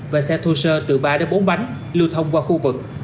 và xe thô sơ từ ba đến bốn bánh lưu thông qua khu vực